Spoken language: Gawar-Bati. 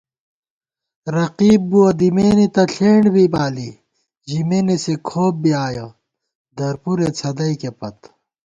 رقیب بُوَہ، دِمېنے تہ ݪېنڈ بی بالی، ژِمېنے سے کھوپ بی آیَہ، درپُرے څھدئیکےپت